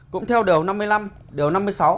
cũng theo điều năm mươi năm điều năm mươi sáu